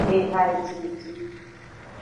Ehajiji.